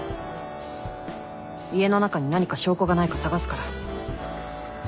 家の中に何か証拠がないか捜すから。